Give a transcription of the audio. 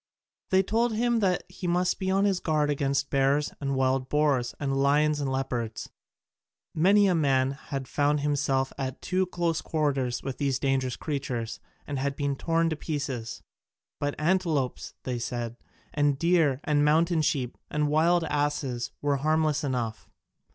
They told him he must be on his guard against bears and wild boars and lions and leopards: many a man had found himself at too close quarters with these dangerous creatures, and been torn to pieces: but antelopes, they said, and deer and mountain sheep and wild asses were harmless enough.